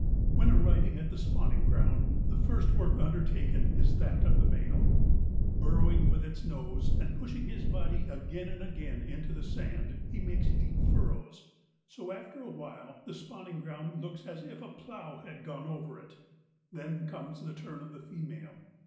When arriving at the spawning ground, the first work undertaken is that of the male. Burrowing with his nose and x)ushiug his body again and again into the sand, he makes deep furrows, so, after a while, the spawning ground looks as if a i)lough had gone over it. Then comes the turn of the female.